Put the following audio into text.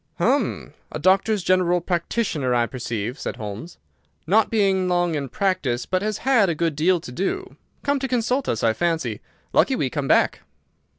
"Hum! A doctor's—general practitioner, I perceive," said Holmes. "Not been long in practice, but has had a good deal to do. Come to consult us, I fancy! Lucky we came back!"